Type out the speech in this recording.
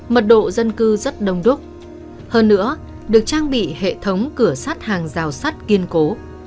mật độ dân cư rất đông đúc hơn nữa được trang bị hệ thống cửa sắt hàng rào sắt kiên cố